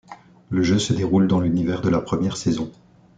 Le jeu se déroule dans l'univers de la première saison.